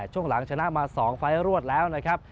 ช่วงหลังชนะมา๒ไฟล์รวดแล้วนะครับ